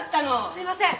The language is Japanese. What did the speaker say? すいません！